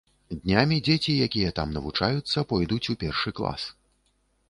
Днямі дзеці, якія там навучаюцца, пойдуць у першы клас.